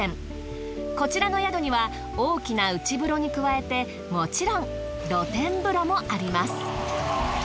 こちらの宿には大きな内風呂に加えてもちろん露天風呂もあります。